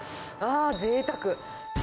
あー、ぜいたく。